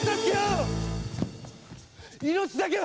命だけは！